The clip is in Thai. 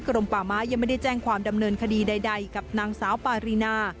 ป่าไม้ยังไม่ได้แจ้งความดำเนินคดีใดกับนางสาวปารีนา